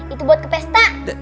itu buat ke pesta